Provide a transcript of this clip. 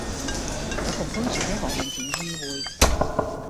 我公公住喺何文田懿薈